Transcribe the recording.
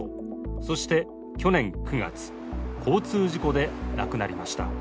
そして去年９月、交通事故で亡くなりました。